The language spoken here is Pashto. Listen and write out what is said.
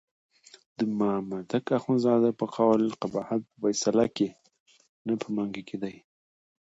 د مامدک اخندزاده په قول قباحت په فیصله کې نه په منګي کې دی.